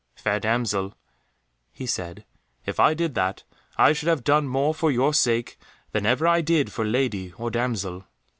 "Fair damsel," he said, "if I did that, I should have done more for your sake than ever I did for lady or damsel."